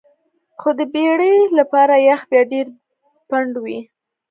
خو د بیړۍ لپاره یخ بیا ډیر پنډ وي